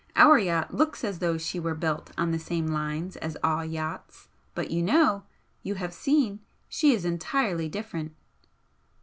Our yacht looks as though she were built on the same lines as all yachts, but you know you have seen she is entirely different!"